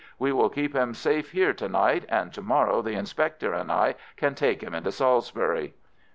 We will keep him safe here to night, and to morrow the inspector and I can take him into Salisbury."